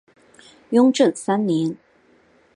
雍正三年。